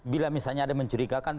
bila misalnya ada mencurigakan